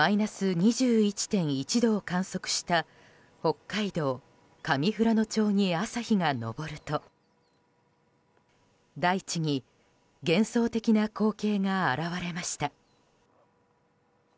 ２１．１度を観測した北海道上富良野町に朝日が昇ると大地に幻想的な光景が現れました。